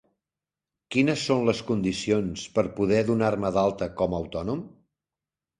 Quines són les condicions per poder donar-me d'alta com a autònom?